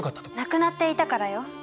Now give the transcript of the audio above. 亡くなっていたからよ。